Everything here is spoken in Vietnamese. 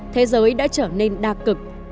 thế giới đã trở nên đa cực